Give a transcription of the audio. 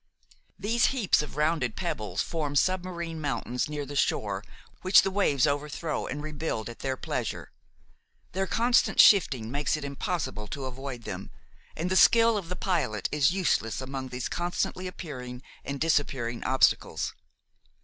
These heaps of rounded pebbles form submarine mountains near the shore which the waves overthrow and rebuild at their pleasure. Their constant shifting makes it impossible to avoid them, and the skill of the pilot is useless among these constantly appearing and disappearing obstacles.